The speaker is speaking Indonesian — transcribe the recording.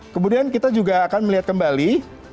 kemudian kita juga akan melihat kembali